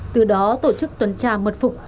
từ đó tổ chức tuần tra mật phục